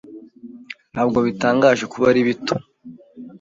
Ntabwo bitangaje kuba ari bito.